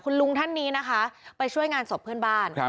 ลุงท่านนี้นะคะไปช่วยงานศพเพื่อนบ้าน